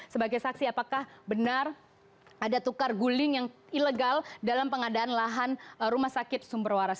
sebagai saksi apakah benar ada tukar guling yang ilegal dalam pengadaan lahan rumah sakit sumber waras